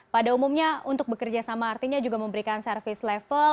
pada umumnya untuk bekerja sama artinya juga memberikan service level